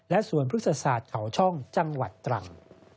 สวนพฤกษศาสตร์เขาช่องจังหวัดตรัง